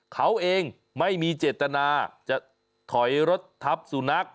เขาเองไม่มีเจตนาจะถอยรถทับสุนัข